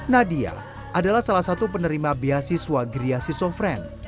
nadia adalah salah satu penerima beasiswa gria siso fren